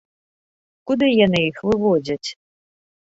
Куды яны іх выводзяць?